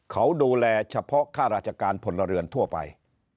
เขาดูแลเฉพาะครพรทั่วไป